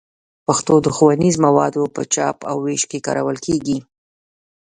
پښتو د ښوونیزو موادو په چاپ او ویش کې کارول کېږي.